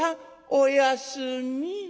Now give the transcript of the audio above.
おやすみ。